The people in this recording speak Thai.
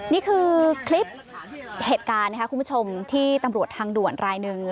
นี่คือคลิปเหตุการณ์นะคะคุณผู้ชมที่ตำรวจทางด่วนรายหนึ่ง